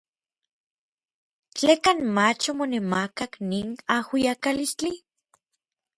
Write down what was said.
¿Tlekan mach omonemakak nin ajuiakalistli.